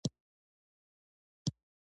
• ته د دعا تر ټولو خوږه جمله یې.